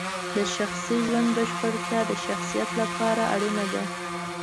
د شخصي ژوند بشپړتیا د شخصیت لپاره اړینه ده.